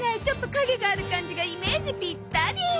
ちょっと陰がある感じがイメージぴったり！